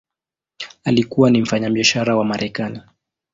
Alikuwa ni mfanyabiashara wa Marekani.